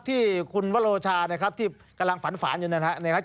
ที่คุณวโรชานะครับที่กำลังฝันฝานอยู่นะครับ